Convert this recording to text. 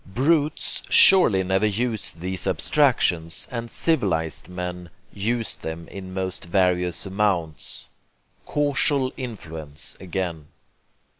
Brutes surely never use these abstractions, and civilized men use them in most various amounts. Causal influence, again!